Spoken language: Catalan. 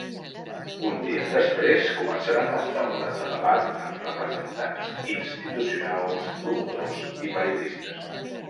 Un dia després començaran les taules de debat amb representants institucionals, promotors i periodistes.